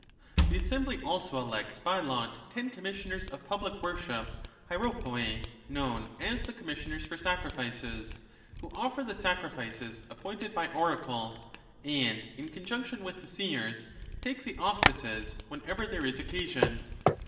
The Assembly also elects by lot ten Commis sioners of Public Worship [Hieropoei], known as the Commissioners for Sacrifices, who offer the sacrifices appointed by oracle, and, in conjunc tion with the seers, take the auspices whenever there is occasion.